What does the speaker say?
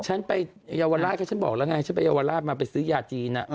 ฉันไปเยาวราชก็ฉันบอกแล้วไงฉันไปเยาวราชมาไปซื้อยาจีน